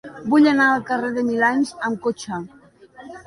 Vull anar al carrer de Milans amb cotxe.